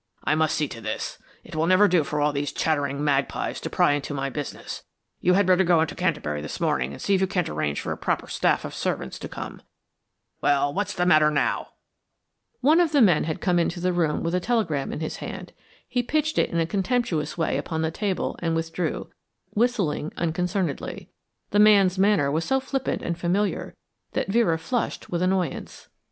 "I must see to this. It will never do for all these chattering magpies to pry into my business. You had better go into Canterbury this morning and see if you can't arrange for a proper staff of servants to come. Well, what's the matter now?" One of the men had come into the room with a telegram in his hand. He pitched it in a contemptuous way upon the table and withdrew, whistling unconcernedly. The man's manner was so flippant and familiar that Vera flushed with annoyance.